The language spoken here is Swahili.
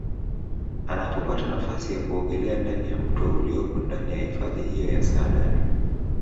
Anapopata nafasi ya kuogelea ndani ya mto uliopo ndani ya hifadhi hiyo ya Saadani